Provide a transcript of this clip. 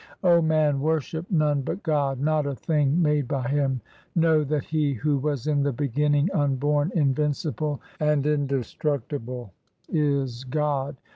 0 man, worship none but God, not a thing made by Him. Know that He who was in the beginning, unborn, in vincible, and indestructible is God.